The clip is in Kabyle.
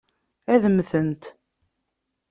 Ad mmtent.